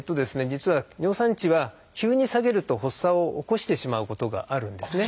実は尿酸値は急に下げると発作を起こしてしまうことがあるんですね。